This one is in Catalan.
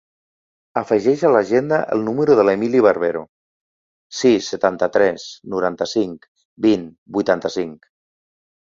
Afegeix a l'agenda el número de l'Emily Barbero: sis, setanta-tres, noranta-cinc, vint, vuitanta-cinc.